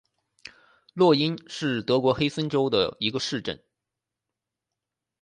洛因是德国黑森州的一个市镇。